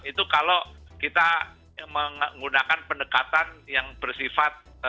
itu kalau kita menggunakan pendekatan yang bersifat